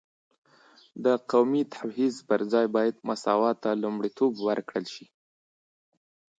د قومي تبعیض پر ځای باید مساوات ته لومړیتوب ورکړل شي.